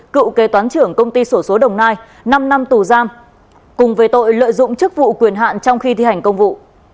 cựu kế toán trưởng công ty sổ số đồng nai năm năm tù giam cùng về tội lợi dụng chức vụ quyền hạn trong khi thi hành công vụ